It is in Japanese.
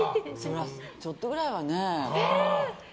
ちょっとぐらいはね。